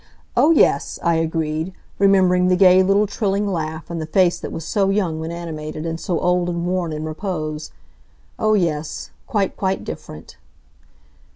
"Oh, yes," I agreed, remembering the gay little trilling laugh, and the face that was so young when animated, and so old and worn in repose. "Oh, yes. Quite, quite different."